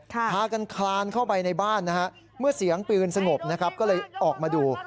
พากันคลานเข้าในบ้านเมื่อเสียงปืนสงบก็เลยออกมาดู